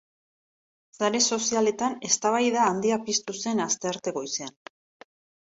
Sare sozialetan eztabaida handia piztu zen astearte goizean.